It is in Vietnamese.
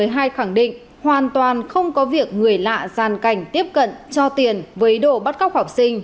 ubnd quận một mươi hai khẳng định hoàn toàn không có việc người lạ gian cảnh tiếp cận cho tiền với ý đồ bắt cóc học sinh